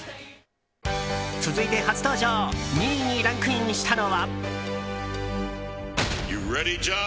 続いて、初登場２位にランクインしたのは。